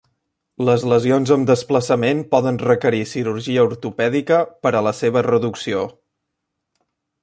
Les lesions amb desplaçament poden requerir cirurgia ortopèdica per a la seva reducció.